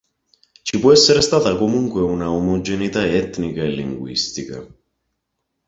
Ci può essere stata comunque una omogeneità etnica e linguistica.